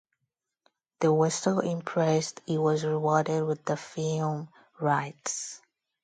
They were so impressed, he was rewarded with the film rights.